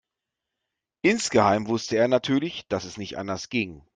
Insgeheim wusste er natürlich, dass es nicht anders ging.